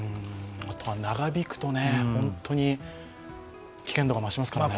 あとは長引くと本当に危険度が増しますからね。